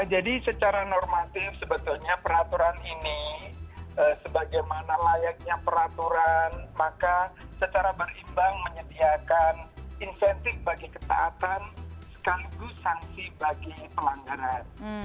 jadi secara normatif sebetulnya peraturan ini sebagaimana layaknya peraturan maka secara berimbang menyediakan insentif bagi ketaatan sekaligus sanksi bagi pelanggaran